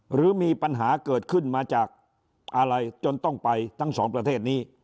หรือมีปัญหาเกิดขึ้นมาจากอะไรจนต้องไปทั้งสองประเทศนี้